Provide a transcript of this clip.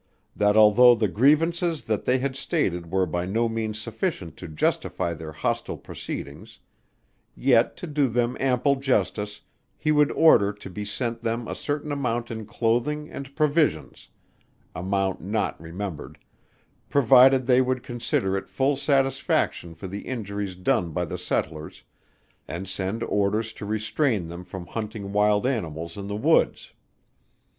That although the grievances that they had stated were by no means sufficient to justify their hostile proceedings; yet to do them ample justice, he would order to be sent them a certain amount in clothing and provisions (amount not remembered) provided they would consider it full satisfaction for the injuries done by the settlers, and send orders to restrain them from hunting wild animals in the woods.